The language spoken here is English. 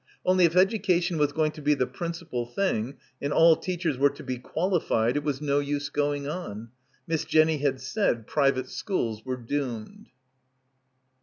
Only if education was going to be the principal thing and all teachers were to be 'quali fied' it was no use going on. Miss Jenny had said private schools were doomed.